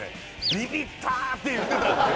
「ビビった」って言ってたんですよ。